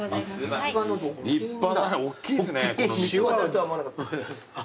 立派だねおっきいですね。